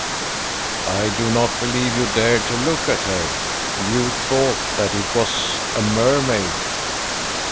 "I do not believe you dared to look at her. You thought that it was a mermaid."